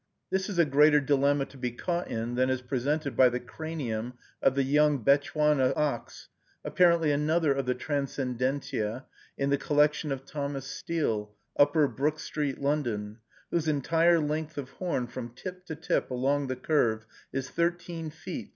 This is a greater dilemma to be caught in than is presented by the cranium of the young Bechuana ox, apparently another of the transcendentia, in the collection of Thomas Steel, Upper Brook Street, London, whose "entire length of horn, from tip to tip, along the curve, is 13 ft.